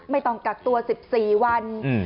ไม่ต้องกักตัว๑๔วัน